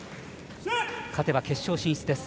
勝てば決勝進出です。